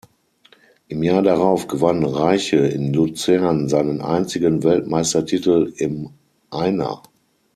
Im Jahr darauf gewann Reiche in Luzern seinen einzigen Weltmeistertitel im Einer.